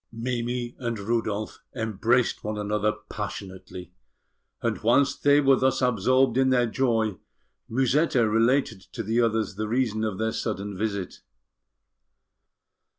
Mimi and Rudolf embraced one another passionately; and whilst they were thus absorbed in their joy, Musetta related to the others the reason of their sudden visit.